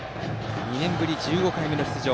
２年ぶり１５回目の出場